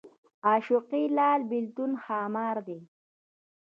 عاشقي لال بېلتون ښامار دی